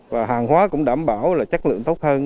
và hàng hóa cũng đảm bảo là chất lượng tốt hơn